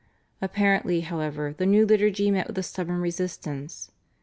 Apparently, however, the new liturgy met with a stubborn resistance.